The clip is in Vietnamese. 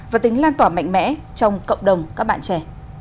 và tính lan tỏa mạnh mẽ trong cộng đồng các bạn trẻ